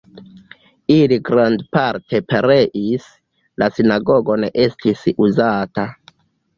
Ili grandparte pereis, la sinagogo ne estis uzata.